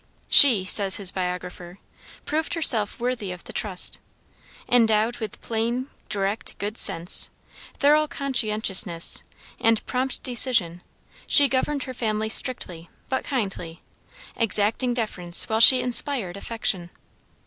"She," says his biographer, "proved herself worthy of the trust. Endowed with plain, direct good sense, thorough conscientiousness, and prompt decision, she governed her family strictly, but kindly, exacting deference while she inspired affection.